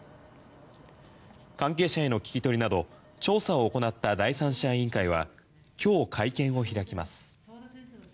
関係者への聞き取りなど調査を行った第三者委員会は今日、会見を開きます。